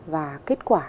và kết quả